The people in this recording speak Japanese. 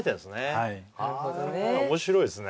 はい面白いですね